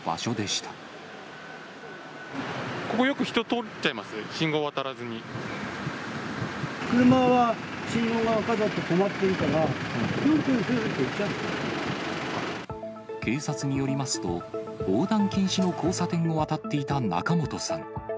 車は、信号が赤だと止まってるから、警察によりますと、横断禁止の交差点を渡っていた仲本さん。